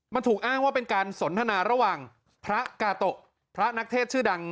มันถูกอ้างว่าเป็นการสนทนาระหว่างพระกาโตะพระนักเทศชื่อดัง